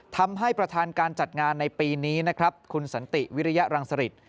ทำให้ประธานการจัดงานในปีนี้นะครับคุณสันติวิริยรังสริต